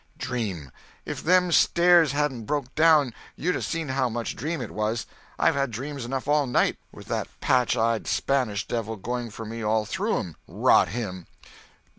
"Dream! If them stairs hadn't broke down you'd 'a' seen how much dream it was! I've had dreams enough all night—with that patch eyed Spanish devil going for me all through 'em—rot him!"